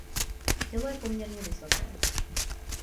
Tělo je poměrně vysoké.